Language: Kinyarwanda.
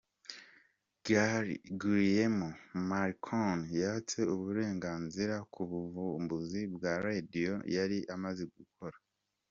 Guglielmo Marconi yatse uburenganzira ku buvumbuzi bwa Radio yari amaze gukora.